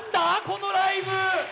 このライブ！